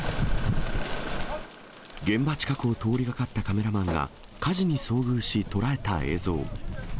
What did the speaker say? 現場近くを通りがかったカメラマンが火事に遭遇し、捉えた映像。